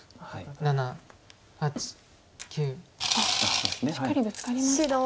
しっかりブツカりましたね。